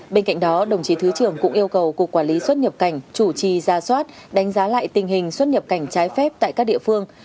bên cạnh đó đồng chí thứ trưởng cũng yêu cầu cục quản lý xuất nhập cảnh chủ trì ra soát đánh giá lại tình hình xuất nhập cảnh trái phép tại các địa phương